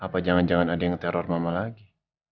apa jangan jangan ada yang teror mama lagi